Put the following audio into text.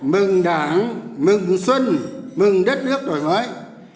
mừng đảng mừng xuân mừng đất nước đổi mới